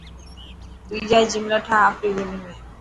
ٻيجا جملا ٺاهه آپري ٻولي ۾.